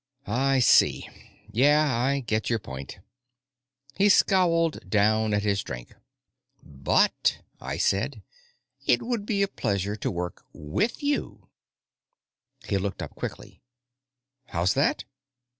"I see. Yeah, I get your point." He scowled down at his drink. "But," I said, "it would be a pleasure to work with you." He looked up quickly. "How's that?"